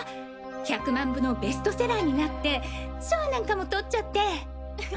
１００万部のベストセラーになって賞なんかも取っちゃって。